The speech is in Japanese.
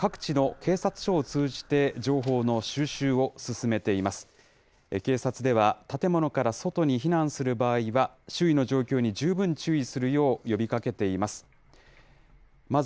警察では建物から外に避難する場合は、周囲の状況に十分注意するよう、呼びかけています。